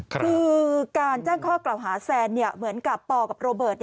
คือการแจ้งข้อกล่าวหาแซนเหมือนกับปอกับโรเบิร์ต